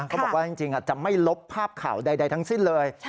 เขาบอกว่าจริงอาจจะไม่ลบภาพข่าวใดทั้งสิ้นเลย